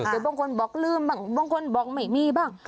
แต่บางคนบอกลืมบ้างบางคนบอกไม่มีบ้าง